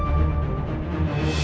aku mau kemana